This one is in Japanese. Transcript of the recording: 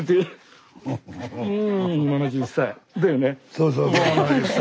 そうそうそう。